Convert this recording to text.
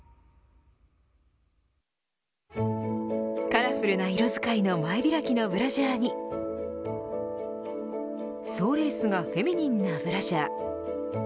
カラフルな色使いの前開きのブラジャーに総レースがフェミニンなブラジャー。